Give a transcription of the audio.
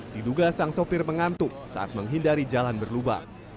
diduga sang sopir mengantuk saat menghindari jalan berlubang